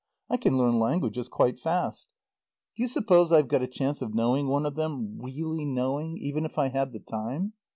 I can learn languages quite fast. Do you suppose I've got a chance of knowing one of them really knowing even if I had the time?